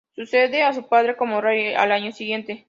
Sucede a su padre como rey al año siguiente.